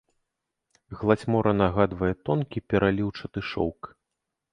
Гладзь мора нагадвае тонкі пераліўчаты шоўк.